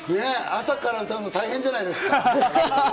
朝から歌うの大変じゃないですか？